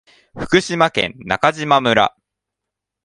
福島県中島村